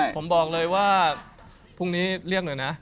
ผมบอกเลยว่าพรุ่งนี้เรียกหน่อยนะ